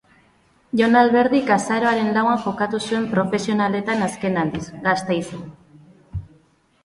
Jon Alberdik azaroaren lauan jokatu zuen profesionaletan azken aldiz, Gasteizen.